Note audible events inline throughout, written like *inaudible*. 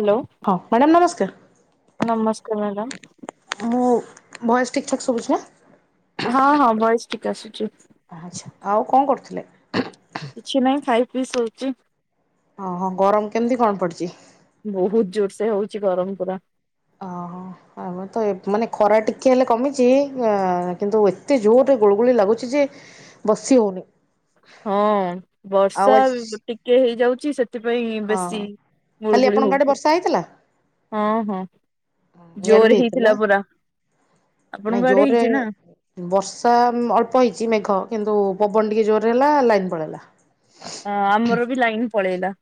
Hello. ହଁ madam ନମସ୍କାର। ନମସ୍କାର ମ୍ୟାଡ଼ମ୍। ମୁଁ ଭଏସ୍ ଠିକ୍ ଠାକ୍ ସୁଭୁଛି ନା। ହଁ ହଁ ବଏସ ଠିକ ଆସୁଛି। ଆଛା ଆଉ କଣ କରୁଥଲେ। କିଛି ନାହିଁ ଖାଇ ପି ଶୋଇଚି। ହଁ ହଁ ଗରମ କେମିତି କଣ ପଡିଚି। ବହୁତ ଜୋର ସେ ହଉଛି ଗରମ ପୁରା। ଆମର ତ ଏ ମାନେ ଖରା ଟିକେ ହେଲେ କମିଛି ଅ କିନ୍ତୁ ଏତେ ଜୋରରେ ଗୁଳୁଗୁଳି ଲାଗୁଛି ଯେ ବସି ହଉନି। ହଁ ଆଉ ବର୍ଷା ଆଜି ବି ଟିକେ ହେଇଯାଉଛି ସେ ଥିପାଇଁ ହଁ ବେଶୀ କାଲି ଗୁଳୁଗୁଳି ଆପଣଙ୍କ ଆଡେ ହଉଛି ବର୍ଷା ହେଇଥିଲା? ହଁ ହଁ। ଇଆଡେ ବି ଜୋରେ ହେଇଥିଲା ପୁରା ନାଇଁ ଆପଣଙ୍କ ଆଡେ ଜୋରରେ ହେଇଛି ନା? ବର୍ଷା ମୁ ଅଳ୍ପ ହେଇଛି ମେଘ କିନ୍ତୁ ପବନ ଟିକେ ଜୋରେ ହେଲା ଲାଇନ ପଳେଇଲା। ଅ ଆମର ବି ଲାଇନ ପଳେଇଲା।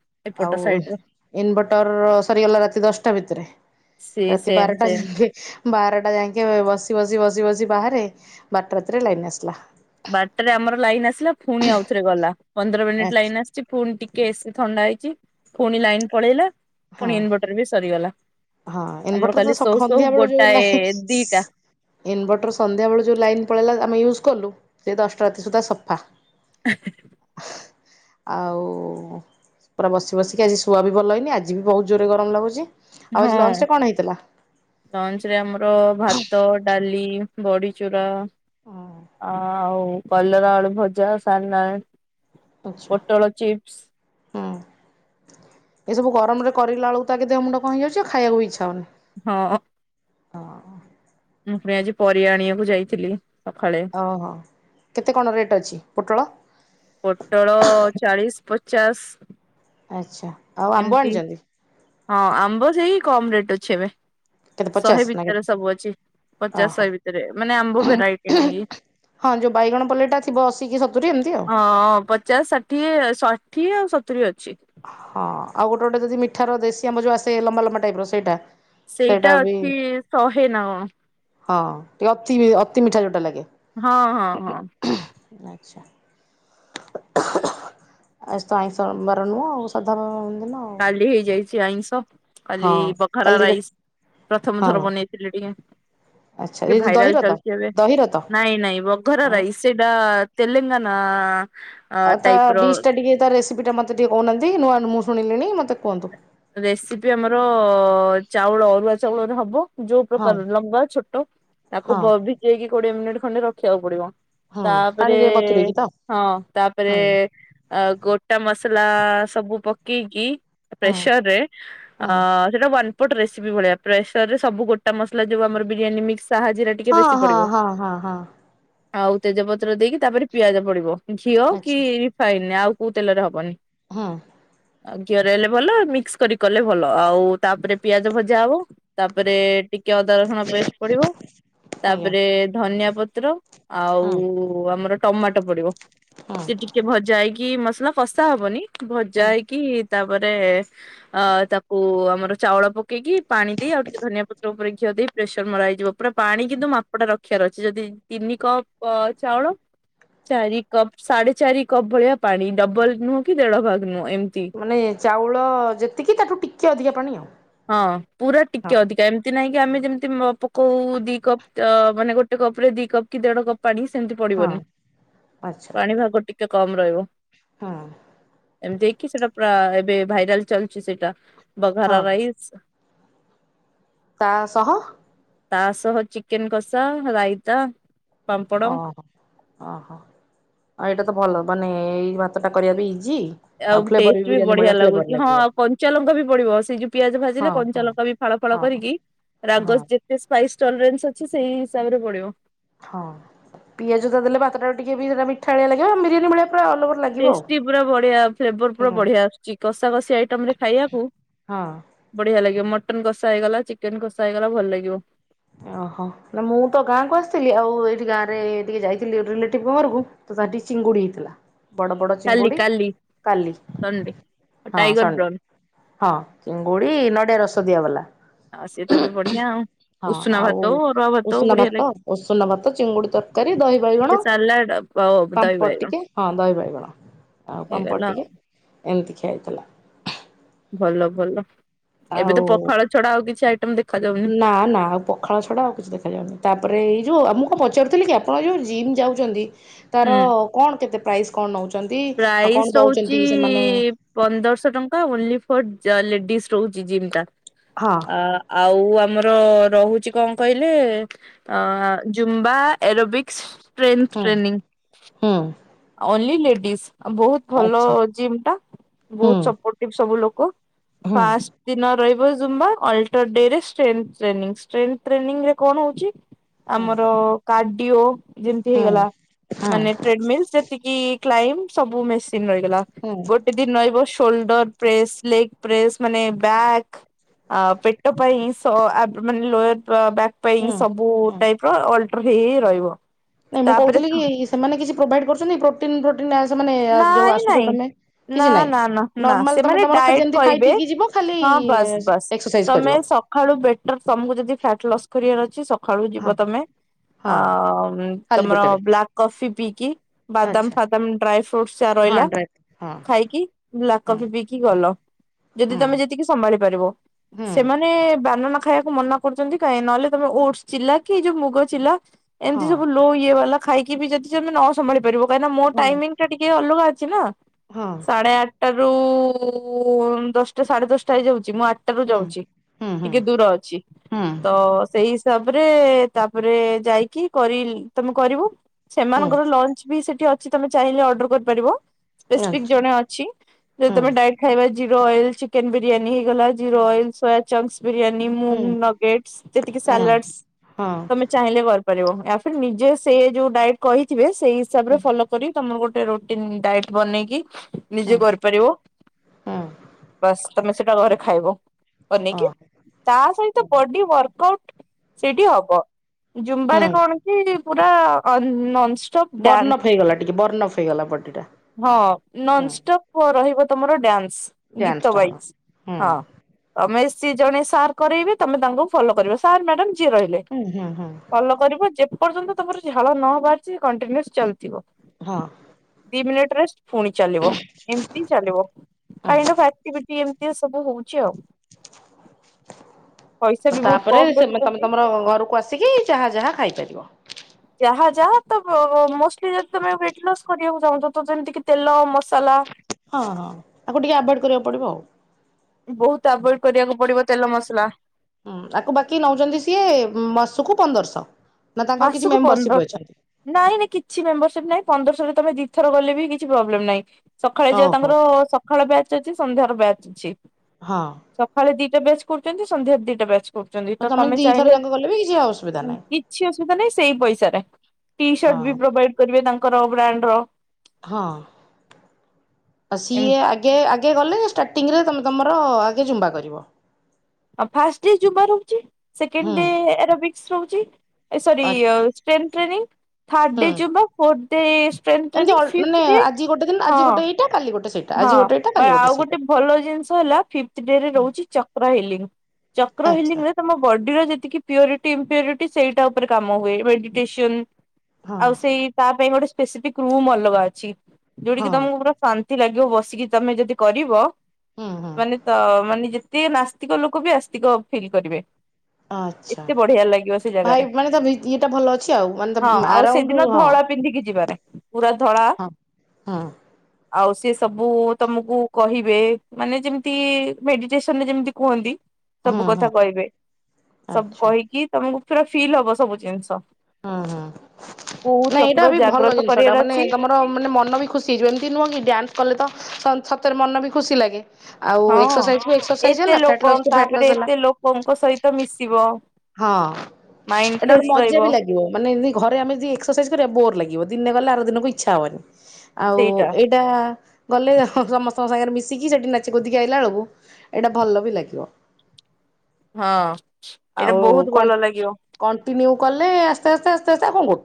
ଆଉ ଏପଟ ସାଇଡ ରେ ଇନଭଟର ସରିଗଲା ରାତି ଦଶଟା ଭିତରେ। ସେ ରାତି ସେମ ବାରଟା ସେମ ଯାଙ୍କେ ବାରଟା ଯାଇକେଁ ବସି ବସି ବସି ବସି ବାହାରେ ବାରଟା ରାତିରେ ଲାଇନ ଆସିଲା। ବାର୍ଟାରେ ଆମର ଲାଇନ ଆସିଲା ଫୁଣି ଆଉଥରେ ଗଲା ପନ୍ଦର ମିନିଟ ଲାଇନ ଆସି ଚି ପୁଣି ଟିକେ ଏସି ଥଣ୍ଡା ହେଇଛି ପୁଣି ଲାଇନ ପଳେଇଲା ହଁ ପୁଣି ଇନଭଟର ବି ସରିଗଲା। ହଁ ଆମର ଇନଭର୍ଟର କାଲି ତ ସୋଉ ସକ ସୋଉ ସନ୍ଧ୍ୟା ବେଳୁ ଯୋଉ ଗୋଟାଏ ଲାହିଁ ଦିଟା ଇନଭର୍ଟର ସନ୍ଧ୍ୟାବେଳୁ ଯେଉଁ ଲାଇନ୍ ପଳେଇଲା ଆମେ ୟୁଜ୍ କଲୁ ସେ ଦଶଟା ରାତି ସୁଦ୍ଧା ସଫା। *inaudible* ଆଉ ପୁରା ବସି ବସିକି ଆଜି ଶୁଆ ବି ଭଲ ହେଇନି ଆଜି ଜି ବି ବହୁତ ଜୋରେ ଗରମ ଲାଗୁଛି। ଆଉ ଆଜି ଲଞ୍ଚ ରେ କଣ ହେଇଥିଲା? ହଁ। ଲଞ୍ଚ ରେ ଆମର ଭାତ ଡାଲି ବଡି ଚୂୁରା ଆଉ କଲରା ଆଳୁ ଭଜା ସାଲାଟ ଆଚ୍ଛା ପୋଟୋଳ ଚିପ୍ସ ହୁଁ ଏସବୁ ଗରମରେ କରିଲା ବେଳକୁ ତ ଆଗେ ଦେହ ମୁଣ୍ଡ କଣ ହେଇ ଯାଉଛି ଆଉ ଖାଇ ବାକୁ ବି ଇଚ୍ଛା ହଉନି। ହଁ ଅଁ। ମୁଁ ଫ୍ରେ ଆଜି ପରିବା ଆଣିବାକୁ ଯାଇଥିଲି ସକାଳେ। ଅ ହ କେତେ କଣ ରେଟ୍ ଅଛି ପୋଟଳ। ପୋଟଳ ଚାଳିଶ ପଚାଶ ଆଚ୍ଛା ଆଉ ଆମ୍ବ ଏମିତି ଆଣିଛନ୍ତି। ହଁ ଆମ୍ବ ସେଇି କମ ରେଟ୍ ଅଛି ଏବେ। କେତେ ଶହେ ପଚାଶ ନା ଭିତରେ କେତେ ସବୁ ଅଛି ପଚାଶ ଓହୋ ଶହେ ଭିତରେ ମାନେ ଆମ୍ବ ଭେରାଇଟି ନେଇକି। ହଁ ଯୋଉ ବାଇଗଣ ପଲେଇ ଟା ବ ଅଶୀ କି ସତୁରି ଏମିତି ଆଉ। ଚାସ୍ ଷାଠିଏ ଷାଠିଏ ଆଉ ସତୁୁରି ଅଛି। ହଁ ଆଉ ଗୋଟେ ଗୋଟେ ଯଦି ମିଠାର ଦେଶୀ ଆମ୍ୱ ଯଉ ଆସେ ଲମ୍ବା ଲମ୍ବା ଟାଇପ ର ସେଇଟା। ସେଇଟା ଅଛି ଶହେ ନା କଣ? ହଁ ଟିକେ ଅତି ଅତି ମିଠା ଯେୋଭଟ୍ଟା ଲାଗେ। ହଁ ହଁ ହଁ। *unintelligible* ଆ ନୁହଁ *unintelligible* ଦିନ। ଆଉ କାଲି ହେଇଯାଇଛି ଆଇଁଷ ହଁ କାଲି ପାଖାଳ କାଲି ରାଇସ ପ୍ରଥମ ହଁ ଥର ବନେଇ ଟିକେ ଟିକେ ଆଚ୍ଛା ଟିକେ ଏ ଯୋଉ ଭାଇରାଲ ଦହିରତ ଚାଲିଛି ଏବେ ଦହିରତ ନାଇଁ ନାଇଁ ଘର ଆଉ ରାଇ ସେଇଡ଼ା ତେଲେଙ୍ଗାନା ଅ ଆଉ ତା ଟାଇପ ର ଡିସ୍ ଟା ଟିକେ ତା ରେସିପି ଟ ମତେ ଟିକେ କହୁନାହାନ୍ତି ନୂଆ ମୁଁ ଶୁଣିଲିଣି ମୋତେ କୁହନ୍ତୁ। ରେସିପି ଆମର ଚାଉଳ ଅରୁଆ ଚାଉଳରେ ହବ। ଯୋଉ ହଁ ପ୍ରକାର ଲମ୍ବା ଛୋଟ ତାକୁ ହଁ ବବିଦେଇକି କୋଡିଏ ମିନିଟ ଖଣ୍ଡେ ରଖିବାକୁ ପଡିବ। ହଁ ତାପରେ ପାଣିରେ ବତୁରେଇକି ତ ହଁ ହଁ ତାପରେ ଆଉ ଗୋଟା ମସଲା ସବୁ ପକେଇକି ପ୍ରେସରରେ ହଁ ଅ ସେଟା ପନ୍ ଗୋଟେ ରେସିପି ଭଳିଆ ପ୍ରେସରରେ ସବୁ ଗୋଟା ମସଲା ଯୋଉ ଆମର ବିରିୟାନୀ ମିକ୍ସ ସାହାଯ୍ୟରେ ଟିକେ ହଁ ବେଶୀ ହଁ ହଁ ପଡିବ ହଁ ହଁ ହଁ ଆଉ ତେଜପତ୍ର ଦେଇକି ତାପରେ ପିଆଜ ପଡିବ। ଘିଅ କି ଆଚ୍ଛା ରିଫାଇନରେ ଆଉ କୋଉ ତେଲରେ ହବନି। ହଁ। *unintelligible* ତେଲେ ଭଲ ମିକ୍ସ କରି କଲେ ଭଲ ଆଉ ତାପରେ ପିଆଜ ଭଜା ହବ ତାପରେ ଟିକେ ଅଦା ରସୁଣ ପେଷ୍ଟ ପଡିବ ଆଜ୍ଞା ତାପରେ ଧନିଆ ପତ୍ର ଆଉ ହଁ ହୋଉ ଆମର ଟମାଟୋ ପଡିବ ହଁ ସେ ଟିକେ ଭଜା ହେଇକି ମସଲା କଷା ହବନି। ଭଜା ହଁ ହେଇକି ତାପରେ ଅ ତାକୁ ଆମର ଚାଉଳ ପକେଇକି ପାଣି ଦେଇ ଆଉ ଟିକେ ଧନିଆ ପତ୍ର ଉପରେ ଘିଅ ଦେଇ ପ୍ରେସର ମରା ହେଇଯିବ ପୁରା ପାଣି କିନ୍ତୁ ମାପଟା ରଖ କ୍ଷୀ ଅର ଅଛି ଯଦି ତିନି କପ୍ ଚାଉଳ ଚାରି କପ୍ ସାଢେ ଚାରି କପ୍ ଭଳିଆ ପାଣି ଡବଲ ନୁହଁ କି ଦେଢ ଭାଗ ନୁହଁ ଏମିତି। ମାନେ ଚାଉଳ ଯେତିକି ତାଠୁ ଟିକିଏ ଅଧିକା ପାଣି ଆଉ। ହଁ ପୁରା ହଁ ଟିକେ ଅଧିକା, ଏମିତି ନାହିଁ କି ଆମେ ଯେମିତି ପକଉ ଦି କପ୍ ମାନେ ଗୋଟେ ଗୋଟେ କପ ରେ ଦି କପ୍ କି ଦେଢ କପ୍ ପାଣି ସେମିତି ହଁ ପଡିବନି ଆଚ୍ଛା ପାଣି ଭାଗ ଟିକେ କମ ରହିବ। ହଁ। ଏମତିକି ସେଟା ପୁରା ଏବେ ଭାଇରାଲ ଚାଲିଛି ସେଇଟା ହଁ ବଘାର ରାଇ ଆଚ୍ଛା। ତା ଶହ ତା ସହ ଚିକେନ କଷା ରାଇତା। ପାମ୍ପଡ ଓହୋ ଓହୋଉ ଏଇଟା ତ ଭଲ ମାନେ ଏଇ ଭାତଟା କରିବା ବି ଇଜି। ଆଉ ଫ୍ଲେଭର ଟେଷ୍ଟ ବି ବିରିୟାନୀ ବଢିଆ ଭଳିଆ ଫ୍ଲେଭର ଲାଗୁଚିହଁ ଲାଗିବ ଆଉ କଞ୍ଚା ଲଙ୍କା ବି ପଡିବ ସେଇ ଯଉ ପିଆଜ ହଁ ଭାଜିଲେ ହଁ କଞ୍ଚାଲଙ୍କା ବି ଫଳ ଫଳ ହଁ କରିକି ହଁ ରାଗସ ଯେତେ ସ୍ପାଇସ୍ ଟଇଲେନ୍ସ ରେ ଅଛି ସେଇ ହିସାବରେ ପଡିବ। ହଁ ପିଆଜ ଦେଲେ ଭାତ ଟା ଟିକେ ବି ସେଟା ମିଠାଳିଆ ଲାଗିବ ବିରିୟାନୀ ଭେଳିଆ ତା ଅନୁଭୃତି ଟେଷ୍ଟି ପୁରା ବଢିଆ ଫ୍ରେବର ପୁରା ବଢିଆ ଆସୁଚି କଷା କଷି ଆଇଟମରେ ଖାଇବାକୁ ହଁ ବଢିଆ ଲାଗିବ ମଟନ କଷା ହେଇଗଲା ଚିକେନ କଷା ହେଇଗଲା ଭଲ ଲାଗିବ। ଓହୋ ନା ମୁଁ ତ ଗାଁକୁ ଆସିଥିଲି ଆଉ ଏଇଠି ଗାଁରେ ଟିକେ ଯାଇଥିଲି ରିଲେଟିଭ ଘରକୁ। ବାଟି ଚିଙ୍ଗୁଡି ହେଇଥିଲା। ବଡ ବଡ କାଲି ଚିଙ୍ଗୁଡି କାଲି କାଲି ସଣ୍ଡେ ହଁ ଟାଇଗର ସଣ୍ଡେ ପ୍ରନ୍ ହଁ ଚିଙ୍ଗୁଡ଼ି ନଡିଆ ରସ ଦିଆବାଲା। *unintelligible* ତମେ ବଢ଼ିଆ। ହଁ ଆଉ ଉଷୁନା ଲାଗେ ଭାତ ଉଷୁନା ଭାତ ଚିଙ୍ଗୁଡି ତରକାରୀ ଦହି ଟିକେ ବାଇଗଣ। ସାଲାଡ ଆଉ ଦହି ପାମ୍ପଡ ବାଇଗଣ ଟିକେ ହଁ ଦହି ବାଇଗଣ ଆଉ ହେଇଗଲା ପାମ୍ପଦ ଆଉ ଟିକେ ଏମିତି ଖିଆ ହେଇଥିଲା। ଭଲ ଭଲ ଏବେ ତ ଆଉ ପଖାଳ ଛଡା ଆଉ କିଛି ଆଇଟମ ଦେଖ ନା ନା ଅଳ୍ପ ପଖାଳ ଛଡ଼ା ଆଉ କିଛି ଦେଖାଯାଉନି। ତାପରେ ଏଇ ଯେଉଁ ମୁଁ କଣ ପଚାରୁଥିଲି କି ଆପଣ ଯେଉଁ ଜିମ୍ ଯାଉଛନ୍ତି ହୁଁ ତାର କଣ କେତେ ପ୍ରାଇସ୍ କଣ ନଉଛନ୍ତି? ଆଉ ପ୍ରାଇସ୍ କଣ ରହୁଛି ଦଉଛନ୍ତି ସେମାନେ ପନ୍ଦରଶହ ଟଙ୍କା ଓନ୍ଲି ଫର୍ ଜଲ ଲେଡିଜ ରହୁଛି ଜିମ୍ ଟା। ହଁ। ଆ ଆଉ ଆମର ରହୁଛି କଣ କହିଲେ? ଅ ଜୁମ୍ବା ଏରୋବିକ୍ସ ଷ୍ଟ୍ରେନ୍ଥ ଟ୍ରେନିଂ ହଁ। ଓନଲି ଲେଡିଜ ବହୁତ ଭଲ ଆଚ୍ଛା ଜିମ୍ ଟା ହୁଁ ବହୁତସପୋଟିଭ ସବୁ ଲୋକ। ହୁଁ ପାଷ୍ଟ ଦିନ ରହିବ ଜୁମ୍ବା। ଅଲଟଡରେ ଷ୍ଟ୍ରେନ୍ଥ ଟ୍ରେନିଂ। ଷ୍ଟ୍ରେନ୍ଥ ଟ୍ରେନିଂ କଣ ହଉଛି? ହଁ ଆମର କାର୍ଡିଓ ଯେମିତି ହଁ ହେଇଗଲା। ହଁ ମାନେ୍ *unintelligible* ଯେତିକି କ୍ଲାଇମ ସବୁ ମେସିନ୍ ରହିଗଲା। ହୁଁ ଗୋଟେ ଦିନ ରହିବ ସୋଲଡର ପ୍ରେସ୍ ଲେଗ୍ ପ୍ରେସ ମାନେ ବ୍ୟାକ୍ ପେଟ ପାଇଁ ସଆପ୍ ମାନେ ଲୋୟାର ବ୍ୟାକ୍ ପାଇଁ ହୁଁ ସବୁ ହୁଁ ଟାଇପ ର ଅଲଟର ହେଇ ରହିବ। ନାଇଁ ମୁଁ ତାପରେ କହୁଥିଲି କି ସେମାନେ କିଛି ପ୍ରୋଭାଇଡ କରୁଛନ୍ତି ପ୍ରୋଟିନ ପ୍ରୋଟିନ ସେମାନେ ଯୋଉ ନାଇଁ ଆସୁଛ ନାଇଁ ତମେ? ନା କିଛି ନାହିଁ ନା ନା ନା ନର୍ମାଲ ତମେ ସେମାନେ ତମର ଡାଏଟ ଯେମିତି ଖାଇ କହିବେ ପିଇକି ଯିବ ଖାଲି ହଁ ବାସ୍ ବାସ୍ ଏକ୍ସରସାଇଜ ତମେ କରିବ ସକାଳୁ ବେଟର ତମକୁ ଯଦି ଫ୍ୟାଟ୍ ଲସ୍ କରିବାର ଅଛି ସକାଳୁ ହଁ ଯିବ ତମେ ହଁ ଆ ଖାଲି ତମର ପେଟରେ ବ୍ଲାକ୍ କଫି ପିଇକି ଆଚ୍ଛା ବାଦାମ ଫାଦାମ ଡ୍ରାଇ ଫ୍ର ଚା ହଁ ରହିଲା ଡ୍ରାଇ ହଁ ଖାଇକି ବ୍ଲାକ୍ ହଁ କଫି ପିଇକି ଗଲ। ଯଦି ହଁ ତମେ ଯେତିକି ସମ୍ଭାଳି ପାରିବ। ହଁ ସେମାନେ ସେମାନେ ବାନନା ଖାଇବାକୁ ମନା କରୁଛନ୍ତି କାଇହିଁ ନହେଲେ ତମେ ଓଟସ ଚିଲା କି ଯୋଉ ମୁଗ ଚିଲା ଏମିତି ହଁ ସବୁ ଲୋ ଇଏ ବାଲା ଖାଇକି ବି ଯଦି ନ ସମ୍ଭଳି ପାରିବ କାହିଁକି ମୋ ହଁ ଟାଇମିଂ ସେଇଟାଟିକେ ଅଲଗା ଅଛି ନା ହଁ। ସାଢ଼େ ଆଠଟାରୁ ଦଶଟା ସାଢ଼େ ଦଶଟା ହେଇଯାଉଛି। ମୁଁ ଆଠ *unintelligible* ଟାରୁ ହୁଁ ଯାଉଛି ହୁଁ ହୁଁ ଟିକେ ଦୂର ଅଛି ହୁଁ ତ ସେଇ ତାପରେ ତାପରେ ଯାଇକି କରି ତମେ କରିବ ହୁଁ ସେମାନଙ୍କର ଲଞ୍ଚ ବି ସେଠି ଅଛି ତମେ ଚାହିଁଲେ ଅର୍ଡର କରିପାରିବ। ସ୍ପେସିଫିକ ଆଚ୍ଛା ଜଣେ ଅଛି। ଯଦି ତମେ ହୁଁ ଡାଇଟ୍ ଖାଇବା ଜିରୋ ଅଏଲ ଚିକେନ ବିରିୟାନୀ, ହେଇଗଲା ଜିର ଅଏଲ ସୋୟା ଚପ୍ସ ବିରିୟାନୀ, ମୁ ହୁଁ ନଗଟେସ୍, ଯେତିକି ହଁ ସାଲାଡ ହଁ ତମେ ଚାହିଁଲେ କରିପାରିବ। ଆଉ ଫିର୍ ନିଜେ ସେ ଯୋଉ ଡାଟ୍ କହିଥିବେ ସେଇ ହିସାବରେ ଫଲୋ କରି ତମର ଗୋଟେ ରୁଟିନ ଡାଏଟ ବନେଇକି ନିଜେ ହଁ କରିପାରିବ। ହଁ ବାସ୍ ତମେ ସେଟା ଘରେ ଖାଇବ। ବନେଇକି ଓହୋ ତା ସହିତ ବଡି ୱାର୍କ ଆଉଟ ସେଠି ହବ। ଜୁମ୍ବାରେ ହୁଁ କଣ କି ପୁରା ଡ୍ୟାନ୍ସ ବର୍ଣ୍ଣଫ୍ ହେଇଗଲା ଟିକେ ବର୍ଣ୍ଣଫ୍ ହେଇଗଲା ବଡି ଟା। ହଁ ନନଷ୍ଟପ ରହିବ ତମର ଡ୍ୟାନ୍ସ ଡ୍ୟାନ୍ସ ଗୀତ ଟା ହଁ ୱାଇଜ। ହୁଁ ହଁ। ତମେ ସିଏ ଜଣେ ସାର୍ କରରେଇବେ ତମେ ତାଙ୍କୁ ଫଲୋ କରିବ ସାର୍ ମ୍ୟାଡାମ ଯିଏ ରହିଲେ। ହୁଁ ହୁଁ ହୁଁ। ଭଲ କରିବ ଯେପର୍ଯ୍ୟନ୍ତ ତମର ଝାଳ ନ ବାହାରିଛି କଣ୍ଟିନ୍ୟୁସ୍ ଚାଲିଥିବ। ହଁ। ଦି ମିନିଟ୍ ରେସ ପୁଣି ଚାଲିବ। ଏମିତି ଚାଲିବ ହଁ କାହିଁକିନା ଫ୍ୟାକ୍ଟି ଏମିତିଆ ସବୁ ହଉଛି ଆଉ। ପଇସା ବି ବହୁତ ତାପରେ କମ ସେ ତମେ ରଖୁଛନ୍ତି ତମର ଘରକୁ ଆସି ଆସିକି ଯାହା ଯାହା ଖାଇପାରିବ। ଯାହା ଯାହା ତ ମ ମଷ୍ଟଲି ଯଦି ତମେ ୱେଟ ଲସ୍ କରିବାକୁ ଚାହୁଁଛ ତ ଯେମିତି କି ତେଲ ମସାଲା। ହଁ ତାକୁ ଟିକେ ଆଭଏଡ଼୍ କରିବାକୁ ପଡ଼ିବ ଆଉ। ବହୁତ ଆଭଏଡ କରିବାକୁ ପଡିବ ତେଲ ମସଲା। ହୁଁ ଆକୁ ବାକି ନଉଚନ୍ତି ସିଏ ମାସକୁ ପନ୍ଦରଶହ, ନା ତାଙ୍କର କିଛି ମାସକୁ ମେମ୍ବରସିପ୍ ପନ୍ଦରଶହ। ଅଛନ୍ତି? ନାଇଁ ନାଇଁ କିଛି ମେମ୍ବରସିପ ନାଇଁ ପନ୍ଦରଶହରୁ ତମେ ଦି ଥର ଗଲେ ବି କିଛି ପ୍ରବଲେମ୍ ନାଇଁ। ସଖାଳେ ଯେ ଓହୋ ତାଙ୍କର ସଖାଳେ ବ୍ୟାଚ୍ ଅଛି ସନ୍ଧ୍ୟାର ବ୍ୟାଚ୍ ଅଛି। ହଁ। ସକାଳେ ଦିଟା ବ୍ୟାଚ୍ କରୁଚନ୍ତି ସନ୍ଧ୍ୟା ଦିଟା ବ୍ୟାଚ୍। କରୁଚନ୍ତି, ତ ତମେ ଦିଥର ଚାହିଁଲେ ଯାକ ଗଲେ ବି କିଛି ଅସୁବିଧା ନାହିଁ *inaudible* କିଛି ଅସୁବିଧା ନାହିଁ ସେଇ ପଇସାରେ ଟି ହଁ ସର୍ଟ ବି ହଁ। ପ୍ରୋଭାଇଡ କରିବେ ତାଙ୍କର ବ୍ରାଣ୍ଡ ର। ହଁ, ଅ ସିଏ ଏମତି ଆ କ୍ କେ ଆଗେ ଗଲେ ଷ୍ଟାର୍ଟିଂରେ ତମେ ତମର ଆଗେ ଜୁମ୍ବା କରିବ। ଅ ବ୍ ଫାଷ୍ଟ ଡେ ଜୁମ୍ୱା ରହୁଚି, ସେକେଣ୍ଡ ହୁଁ ଡେ ୟେରବିକ୍ସ ରହୁଚି, ଏ ସରି ଆ ଅଜ୍ ଟ୍ରେ ଟ୍ରେନିଂ ଥାର୍ଡ ହୁଁ day Zumba, fourth day strength ଏମିତି ଟ୍ରେନିଂ ଅଲ୍ ମାନେ ଫିଫଥ୍ ଡେ ଆଜି ଗୋଟେ ଦିନ ହଁ ଆଜି ଗୋଟେ ଏଇଟା କାଲି ଗୋଟେ ସେଇଟା ହଁ ଆଜି ଗୋଟେ ଏଇଟା ଵ କାଲି ଗୋଟେ ସେଇଟା। ଆଉଗୋଟେ ଭଲ ଜିନିଷ ହେଲା ଫିପଥ ଡେ ରେ ହୁଁ ରହୁଛି ଚକ୍ର ହିଲିଂ, ଚକ୍ର ଆଚ୍ଛା ହିଲିଂ ରେ ତମ ବଡିର ଯେତିକି ପିଓରିଟି ଇଁମ୍ପିଓରିଟି ସେଇଟା ଉପରେ କାମ ହୁଏ ମେଡିଟେସନ। ହଁ ଆଉ ସେଇ ତା ପାଇଁ ଗୋଟେ ସ୍ପେସିଫିକ୍ ରୁମ ଅଲଗା ଅଛି, ଯୋଉଠି କି ହଁ ତମକୁ ପୁରା ଶାନ୍ ଏମିତି ଲାଗିବ ବସିକି ତମେ ଯଦି କରିବ ହୁଁ ହୁଁ ମାନେ ତ ମାନେ ଯେତେ ନାସ୍ତିକ ଲୋକ କୁ ବି ଆସ୍ତିକ ଫିଲ୍ କରିବେ। ଆଚ୍ଛା। ଏତେ ବଢିଆ ଲାଗିବ ସେ ଭାଇ ଜାଗାରେ ମାନେ ତା ଭି ଇଏଟା ଭଲ ଅଛି ଆଉ ମାନେ ତା ହଁ ଆଉ ଆରାଉଣ୍ଡ ସେଦିନ ହଁ ଧଳା। ପିନ୍ଧିକି ଯିବାପାଇଁ ପୁରା ଧଳା ହଁ, ହଁ। *unintelligible* ଆଉ ସିଏ ସବୁ ତମକୁ କହିବେ ମାନେ ଯେମିତି ମେଡିଟେସନରେ ଯେମିତି କୁହନ୍ତି। ହୁଁ ସବୁ ହୁଁ କଥା କହିବେ ସବୁ ଆଚ୍ଛା କହିକି ତମକୁ ପୁରା ଫିଲ୍ ହବ ସବୁ ଜିନିଷ। ହୁଁ କୋଉ ହୁଁ ନାଇଁ ଏଇଟା ଚକ୍ର ବି ଭଲ ଜାଗ୍ରତ ଜିନିଷ ଟା କରିବାର ମାନେ ଅଛି ତମ ହଁ ମାନେ ମନ ବି ଖୁସି ହେଇଯିବ ଏମିତି ନୁହଁ କି ଡ୍ୟାନ୍ସ କଲେ ତ ସ ସତରେ ମନ ବି ଖୁସି ଲାଗେ। ଆଉ ହଁ। ଏକ୍ସରସାଇଜ କୁ ଏକ୍ସରସାଇଜ ହେଲା ଫ୍ୟାଟ ଲସ୍ କୁ ଫ୍ୟାଟ ଲସ୍ ହେଲା। ପଙ୍କ ସହିତ ମିଶିବ। ହଁ ମାଇଣ୍ଡ ଏଟା ଗୋଟେ ଫ୍ରେଶ ମଜା ରହିବ। ବି ଲାଗେ। ମାନେ ଏନ୍ତି ଘରେ ଆମେ ଯି ଏକ୍ସରସାଇଜ କରିବା ବୋର୍ ଲାଗିବ ଦିନେ ଗଲେ ଆର ଦିନକୁ ଇଚ୍ଛା ହବନି। ଆଉ ସେଇଟା ଏଇଟା ଗଲେ ହଁ ସମସ୍ତଙ୍କ ସାଙ୍ଗରେ ମିଶିକି ସେଇଠି ନାଚି କୁଦୀକି ଆଇଲା ବୁଳୁକୁ ଏଇଟା ଭଲ ବି ଲାଗିବ। ହଁ। ଏଇଟା ଆଉ ବହୁତ ଭଲ କନ୍ ଲାଗିବ କଣ୍ଟିନ୍ୟୁ କଲେ ଆସ୍ତେ ଆସ୍ତେ ଆସ୍ତେ ଆସ୍ତେ ଆଉ କଣ କ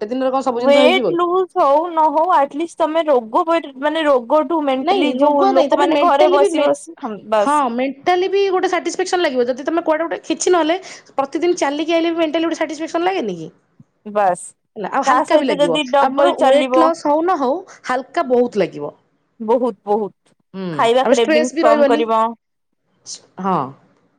ୱେଟ ଲୁଜ ହଉ ନ ହଉ ଆଟଲିଷ୍ଟ ତମେ ରୋଗ ପାଇଁ ଟ ମାନେ ରୋଗ। ରୁ ନାଇଁ ମେଣ୍ଟଲି ଯୋଉ ରୋଗ ନାଇଁ ଲୋକ ତାପରେ ମାନେ ଘରେ ବସି ବସି ହ ମ୍ ବାସ। ଟୋଟାଲି ବି ଗୋଟେ ସାଟିକ୍ସଫେକ୍ସନ ଲାଗିବ ଯଦି ତମେ କୁଆଡେ ଗୋଟେ କିଛି ନହଲେ। ପ୍ରତିଦିନ ଚାଲିକି ଆଇଲେ ମେଣ୍ଟାଲି ଗୋଟେ ସାଟିକ୍ ଫେକ୍ସନ ଲାଗେନି କି। ବାସ୍ ନା ଆଉ ତା ହାଲକା ବି ସହିତ ଲାଗିବ ଯଦି ଡବଲ ଆମର ଚାଲିବ ୱେଟ ଲସ୍ ହଉ ନ ହଉ ହାଲକା ବହୁତ ଲାଗିବ। ବୋହୁତ୍ ବୋହୁତ୍, ହୁଁ ଖାଇବା ଆଉ କ୍ରେବଂ ଷ୍ଟ୍ରେସ୍ ବି କମ୍ ରହିବନି କରିବ। ହଁ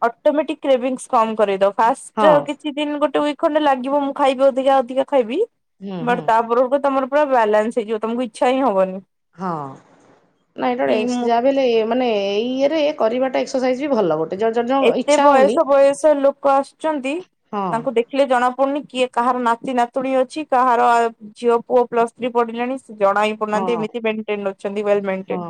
ଅଟୋମେଟି କ୍ କ୍ରେବିଂସ୍ କମ୍ କରେଇଦବ। ଫାଷ୍ଟ ହଁ ରେ କିଛି ଦିନ ଗୋଟେ ୱିକ୍ ଖଣ୍ଡେ ଲାଗିବ ମୁଁ ଖାଇବି ଅଧିକା ଅଧିକା ଖାଇବି, ହୁଁ ହୁଁ ବଟ୍ ତାପରକୁ ତମର ପୁରା ବାଲାନ୍ସ ହେଇଯିବ ତମକୁ ଇଚ୍ଛା ହିଁ ହବନି। ହଁ ନା ଏଇଟା ଗୋଟେ କି ମୁଁ ଏକ୍ସ ଯା ବ ମାନେ ଏଇ ଇଏ ରେ କରିବାଟା ଏକ୍ସରସାଇଜ୍ ବି ଭଲ ଗୋଟେ। ଜଣ ଜଣ ଜଣ ଏତେ ଇଚ୍ଛା ହଉନି ବୟସ ବୟସ ଲୋକ ଆସୁଛନ୍ତି, ହଁ ତାଙ୍କୁ ଦେଖ ଖିଲେ ଜଣା ପଡୁନି, କିଏ କାହାର ନାତି ନାତୁଣୀ ଅଛି, କାହାର ଆଉ ଝିଅ ପୁଅ ପ୍ଲସ ଥ୍ରୀ ପଢିଲେଣି ସେ ଜଣାଇଁ ହଁ ପୁଡୁନାହାନ୍ତି ଏମିତି ବେ ଟେନ୍ ରେ ଅଛନ୍ତି। ୱେଲ୍ ମେଣ୍ଟେନ୍, ହଁ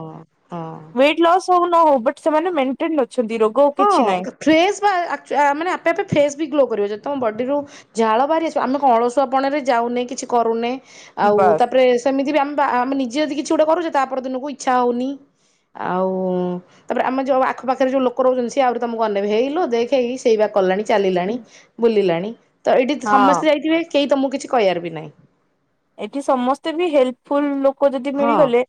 ହଁ। ୱେଟ୍ ଲସ୍ ହୋଉ କି ନ ହୋଉ ବଟ୍ ସେମାନେ ମେଣ୍ଟେନ ଅଛନ୍ତି। ରୋଗ ହଁ କିଛି ନାହିଁ। ଫ୍ରେସ୍ ବା ଆଚୁ ମାନେ ଆପେ ଆପେ ଫେସ୍ ବି ଗ୍ଲୋ କରିବ ଯଦି ତମ ବଡିରୁ ଝାଳ ବାହାରି ଆସିବ। ଆମେ କଣ ଅଳସୁଆପଣରେ ଯାଉନେ କିଛି କରୁନେ ଆଉ ବାସ୍ ତାପରେ ସେମିତି ବି ଆମ ଆମେ ନି ଯଦି କିଛି ଗୋଟେ କରୁଛେ ତାପରେ ଦିନକୁ ଇଚ୍ଛା ହଉନି। ଆଉ ତାପରେ ଆମେ ଯୋଉ ଆଖପାଖରେ ଯୋଉ ଲୋ କରହୁଛନ୍ତି ସେ ଆହୁରି ତମକୁ ଅନେଇବେ, ହେଇଲୋ ଦେଖେ ଏଇ ସେଇ ବା କଲାଣି ଚାଲିଲାଣି ବୁଲିଲାଣି। ତ ଏଇଠି ହଁ ସମସ୍ତେ ଯାଇଥିବେ କେହି ତମକୁ କିଛି କିହିବାର ବିି ନାହିଁ। ଏଠି ସମସ୍ତେ ବି ହେଲ୍ପଫୁଲ୍ ଲୋକ ଯଦି ହଁ ମିଳିଗଲେ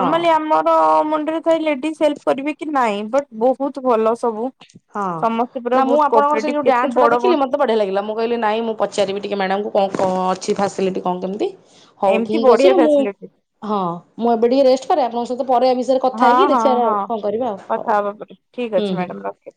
ହଁ। ଆମ ର ମୁଣ୍ଡରେ ଥାଏ ଲେଡିଜ୍‌ ହେଲ୍ପ କରିବେ କି ନାଇଁ? ବଟ୍ ବୋହୁତ୍ ଭଲ ସବୁ। ହଁ ସମସ୍ତେ ପୁରା ନା ମୁଁ ବହୁତ ଆପଣଙ୍କର ସେଇ କୋପରେଟିଭ ଯୋଉ କେତେ ଡ୍ୟାନ୍ସ ଗୁଟା ବଡ ବଡ ଦେଖିଲି, ମତେ ମତେ ବଢିଆ ଲାଗିଲା। ମୁଁ କହିଲି ନାଇଁ ମୁଁ ପଚାରିବି ଟିକେ ମ୍ୟାଡାମ୍ ଙ୍କୁ କଣ କଣ ଅଛି ଫାସିଲିଟି କଣ କେମିତି? ହଉ ଏମିତି ଠିକ୍ ବଢିଆ ଅଛି ମୁଁ ଫ୍ୟାସିଲିଟି ହଁ ମୁଁ ଏବେ ଟିକେ ରେଷ୍ଟ କରେ ଆପଣଙ୍କ ସହିତ ପରେ ଏ ବିଷୟରେ କଥା ହଁ ହେଇକି ହଁ ଦେଖିବା ହଁ ଆଉ କଣ କରିବା ଆଉ। ହଉ କଥା ହବା ପରେ। ଠିକ୍ ହୁଁ ଅଛି ହୁଁ। ମ୍ୟାଡାମ ରକେ